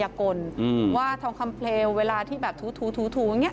มัยกลอืมว่าทองคำเปลวเวลาที่แบบทูทูทูทูเนี้ย